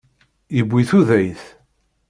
Yewwi tudayt.